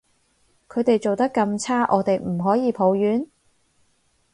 佢哋做得咁差，我哋唔可以抱怨？